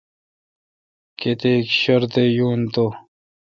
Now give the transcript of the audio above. کیتیک شردے یون تو۔